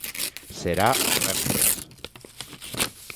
Será o venres.